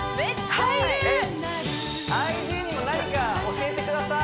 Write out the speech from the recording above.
えっＩＧにも何か教えてください